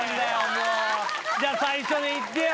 もうじゃ最初にいってよ